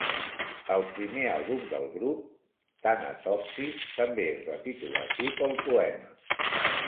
El primer àlbum del grup, "Thanatopsis", també es va titular així pel poema.